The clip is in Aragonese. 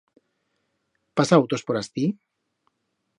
Pasa autos por astí?